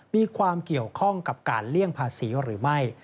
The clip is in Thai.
มีความเกี่ยวข้องกับการเลี่ยงภาษีหรือไม่